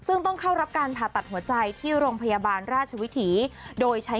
ซึ่งต้องเข้ารับการผ่าตัดหัวใจที่โรงพยาบาลราชวิถีโดยใช้